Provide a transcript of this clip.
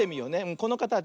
このかたち